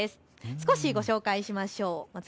少しご紹介しましょう。